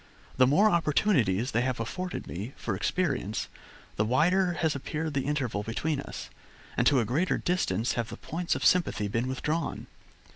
The more opportunities they have afforded me for experience, the wider has appeared the interval between us, and to a greater distance have the points of sympathy been withdrawn.